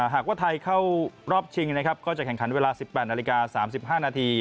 หากว่าไทยเข้ารอบชิงก็จะแข่งขันเวลา๑๘น๓๕น